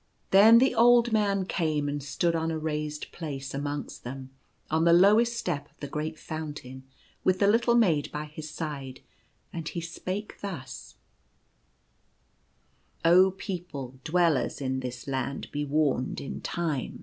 Then the old man came and stood on a raised place amongst them, on the lowest step of the great foun tain with the little maid by his side, and he spake thus :" Oh, people, dwellers in this Land, be warned in time.